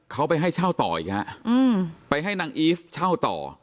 เขาไปให้เช่าต่ออีกฮะไปให้นางอีฟเช่าต่อ